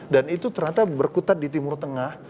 dan itu ternyata berkutat di timur tengah